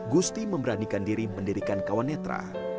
gusti memberanikan diri mendirikan kawanetra